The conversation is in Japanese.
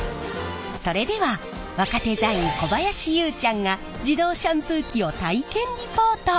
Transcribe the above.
それでは若手座員小林ゆうちゃんが自動シャンプー機を体験リポート！